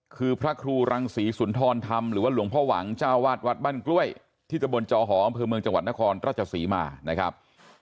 คือพระครูรังศรีสุนทรธรรมหรือว่าหลวงพ่อหวังเจ้าวาดวัดบ้านกล้วยที่ตะบนจอหออำเภอเมืองจังหวัดนครราชศรีมานะครับ